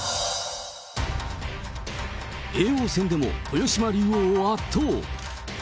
叡王戦でも豊島竜王を圧倒。